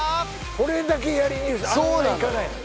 これだけやりにあんな行かないのよ